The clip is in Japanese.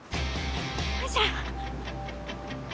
よいしょ。